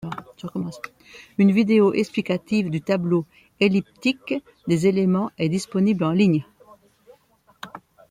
Une vidéo explicative du tableau elliptique des éléments est disponible en ligne.